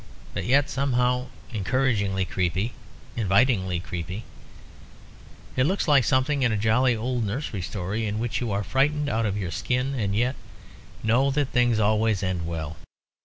"But yet somehow encouragingly creepy, invitingly creepy. It looks like something in a jolly old nursery story in which you are frightened out of your skin, and yet know that things always end well.